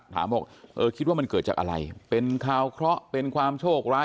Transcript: บอกเออคิดว่ามันเกิดจากอะไรเป็นข่าวเคราะห์เป็นความโชคร้าย